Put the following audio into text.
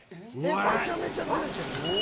めちゃめちゃずれてる。